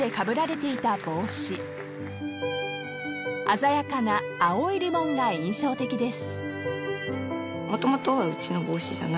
［鮮やかな青いリボンが印象的です］